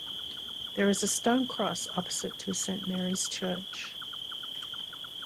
There is a stone cross opposite to St. Mary's church.